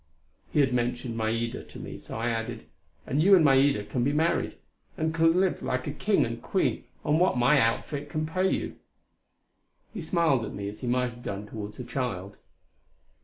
He had mentioned Maida to me, so I added: "And you and Maida can be married, and can live like a king and queen on what my outfit can pay you." He smiled at me as he might have done toward a child.